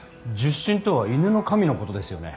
戌神とは戌の神のことですよね。